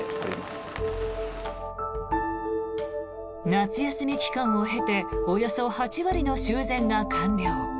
夏休み期間を経ておよそ８割の修繕が完了。